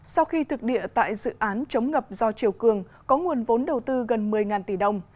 sau khi thực địa tại dự án chống ngập do triều cường có nguồn vốn đầu tư gần một mươi tỷ đồng